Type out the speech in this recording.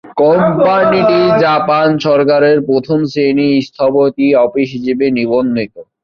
কোম্পানিটি জাপান সরকারের প্রথম শ্রেণীর স্থপতি অফিস হিসেবে নিবন্ধিত।